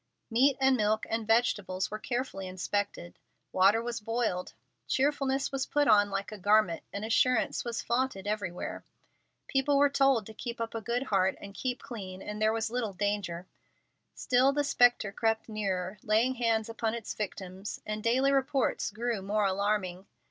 Meat and milk and vegetables were carefully inspected. Water was boiled. Cheerfulness was put on like a garment, and assurance was flaunted everywhere. People were told to keep up a good heart and keep clean, and there was little danger. Still the spectre crept nearer, laying hands upon its victims, and daily the reports grew more alarming.